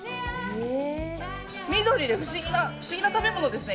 緑で不思議な、不思議な食べ物ですね。